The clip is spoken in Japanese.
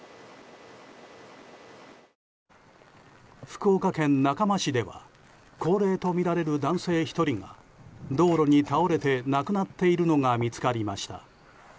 福岡県中間市では高齢とみられる男性１人が道路に倒れて亡くなっているのが見つかりました。